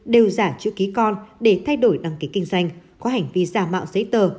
đều giả chữ ký con để thay đổi đăng ký kinh doanh có hành vi giả mạo giấy tờ